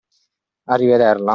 A rivederla!